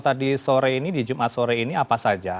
tadi sore ini di jumat sore ini apa saja